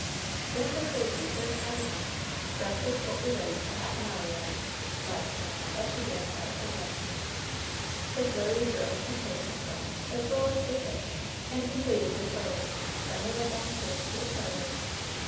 "Don't go crazy; there's time enough. Breakfast won't be ready for half an hour yet," laughed Wynnette, as she danced out of the room. The flurried girls composed themselves as well as they could, and completed their toilets. Then they went downstairs to the parlor.